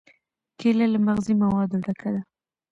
کېله له مغذي موادو ډکه ده.